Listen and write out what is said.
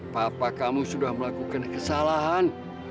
papa kamu sudah melakukan kesalahan